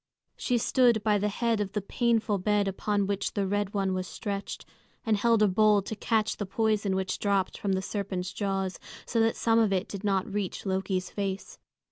She stood by the head of the painful bed upon which the Red One was stretched, and held a bowl to catch the poison which dropped from the serpent's jaws, so that some of it did not reach Loki's face.